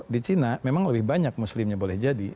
di china memang lebih banyak muslimnya boleh jadi